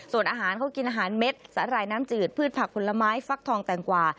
ส่วนอาหารเขากินอาหารเม็ดสาหร่ายน้ำจืดพืชผักผลไม้ฟักทองแตงกว่า